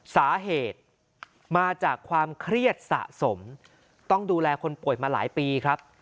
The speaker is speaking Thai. สาเหตุมาจากความเครียดสะสมต้องดูแลคนป่วยมาหลายปีครับ